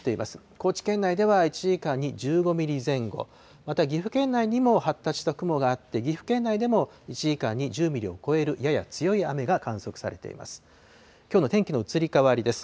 高知県内では、１時間に１５ミリ前後、また岐阜県内にも発達した雲があって、岐阜県内でも１時間に１０ミリを超えるやや強い雨が観測されています。